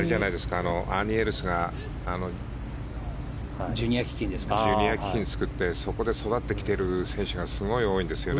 アーニー・エルスがジュニア基金作ってそこで育ってきている選手が多いんですよね。